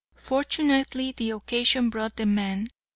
Fortunately the occasion brought the man.